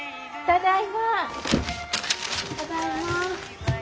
・ただいま。